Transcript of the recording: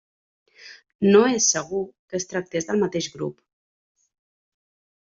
No és segur que es tractés del mateix grup.